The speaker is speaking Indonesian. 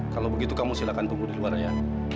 kalau begitu kamu silahkan tunggu di luar ya